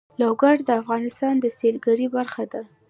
لوگر د افغانستان د سیلګرۍ برخه ده.